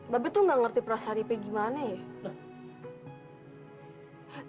ba be lo enggak ngerti perasaan ipe gimana ya